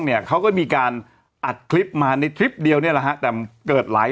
เนี่ยเขาก็มีการอัดคลิปมาในคลิปเดียวเนี่ยแหละฮะแต่เกิดหลาย